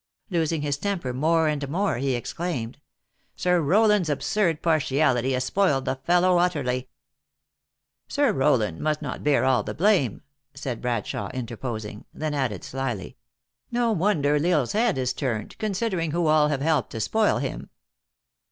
Losing his temper more and more, he exclaimed :" Sir Eowland s absurd partiali ty has spoiled the fellow utterly !"" Sir Kowland must not bear all the blame," said Bradshawe, interposing ; then added slyly :" No wonder L Isle s head is turned, considering who all have helped to spoil him."